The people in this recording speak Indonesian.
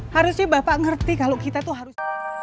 harusnya bapak ngerti kalau kita tuh harus